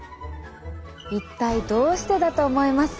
一体どうしてだと思います？